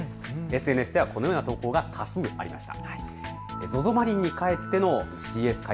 ＳＮＳではこのような投稿が多数ありました。